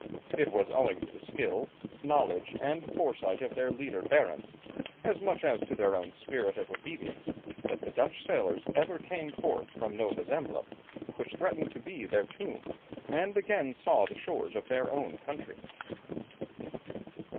It was owing to the skill, knowledge, and foresight of their leader Barentz, as much as to their own spirit of obedience, that the Dutch sailors ever came forth from Nova Zembla, which threatened to be their tomb, and again saw the shores of their own country.